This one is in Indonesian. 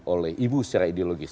oleh ibu secara ideologis